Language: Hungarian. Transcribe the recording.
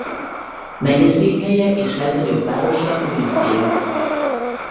Megyeszékhelye és legnagyobb városa Louisville.